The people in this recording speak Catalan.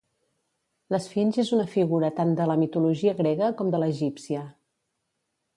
L'esfinx és una figura tant de la mitologia grega com de l'egípcia.